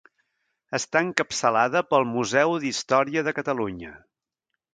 Està encapçalada pel Museu d'Història de Catalunya.